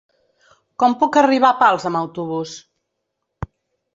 Com puc arribar a Pals amb autobús?